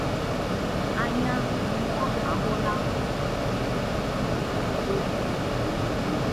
Anya mụ ahụla kpụkpa ndọ buru ibu n’elu igwe